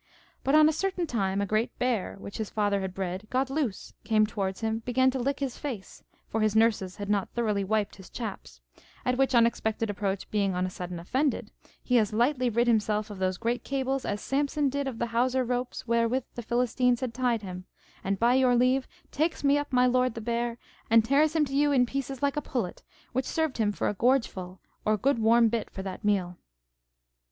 But, on a certain time, a great bear, which his father had bred, got loose, came towards him, began to lick his face, for his nurses had not thoroughly wiped his chaps, at which unexpected approach being on a sudden offended, he as lightly rid himself of those great cables as Samson did of the hawser ropes wherewith the Philistines had tied him, and, by your leave, takes me up my lord the bear, and tears him to you in pieces like a pullet, which served him for a gorgeful or good warm bit for that meal.